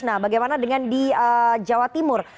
nah bagaimana dengan di jawa timur